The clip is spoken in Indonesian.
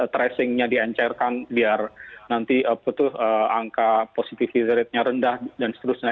threshing nya diencerkan biar nanti apa tuh angka positivity rate nya rendah dan seterusnya